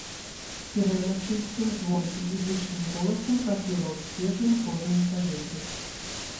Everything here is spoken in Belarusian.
Сірэна чыстым, звонкім і зычным голасам прапела ў свежым горным паветры.